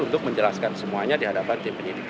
untuk menjelaskan semuanya di hadapan tim penyidik